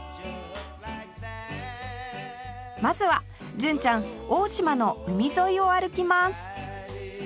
まずは純ちゃん大島の海沿いを歩きます